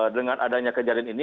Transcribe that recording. dengan adanya kejadian ini